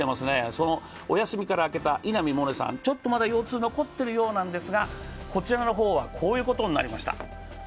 お休みから明けた稲見萌寧さん、ちょっとまだ腰痛が残っているようですがこちらの方は、こういうことになりました。